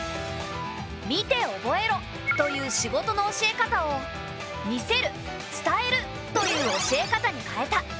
「見て覚えろ」という仕事の教え方を「見せる」「伝える」という教え方に変えた。